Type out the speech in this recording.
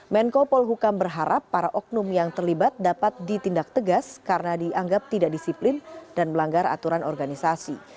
menko polhukam berharap para oknum yang terlibat dapat ditindak tegas karena dianggap tidak disiplin dan melanggar aturan organisasi